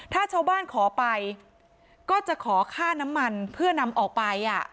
ถ้าชาวบ้านขอไปก็จะขอค่าน้ำมันเพื่อนำออกไป